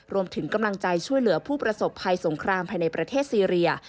รวมถึงกำลังใจช่วยเหลือผู้ประสบภัยสงครามภายในประเทศซีเรีย